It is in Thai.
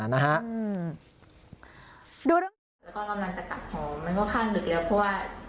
แล้วก็เรากำลังจะกลับของมันก็ค่อนข้างดึกเลี่ยว